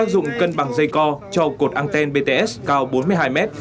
dùng cân bằng dây co cho cột anten bts cao bốn mươi hai mét